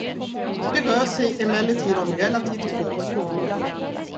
Det rör sig emellertid om relativt få skolor.